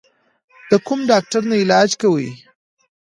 د کوم ډاکټر نه علاج کوې؟